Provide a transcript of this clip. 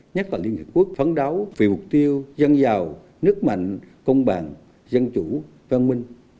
nhất là liên hợp quốc phán đấu vì mục tiêu dân giàu nước mạnh công bằng dân chủ văn minh